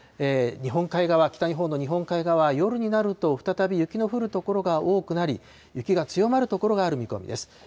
日本海側、北日本の日本海側は夜になると、再び雪の降る所が多くなり、雪が強まる所がある見込みです。